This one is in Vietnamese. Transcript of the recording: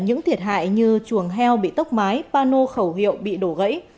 những thiệt hại như chuồng heo bị tốc mái pano khẩu hiệu bị đổ gãy